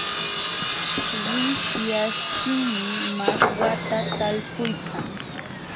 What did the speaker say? Wishyaśhtinmi mashwata talpuykan.